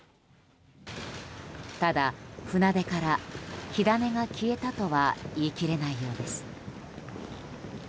ただ、船出から火種が消えたとは言い切れないようです。